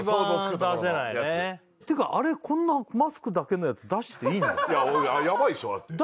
っていうかあれこんなマスクだけのやつ出していいんだ？